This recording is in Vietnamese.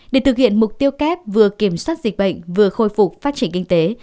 để thực hiện mục tiêu kép vừa kiểm soát dịch bệnh vừa khôi phục phát triển kinh tế